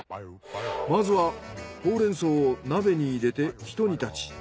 まずはホウレンソウを鍋に入れてひと煮立ち。